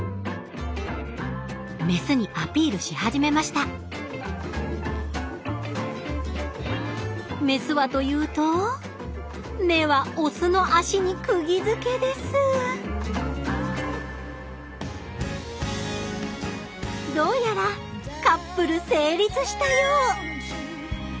メスにアピールし始めましたメスはというと目はオスの足にくぎづけですどうやらカップル成立したよう。